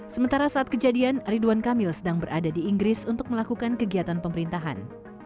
sementara saat kejadian ridwan kamil sedang berada di inggris untuk melakukan kegiatan pemerintahan